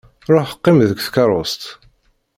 Ruḥ qqim deg tkeṛṛust.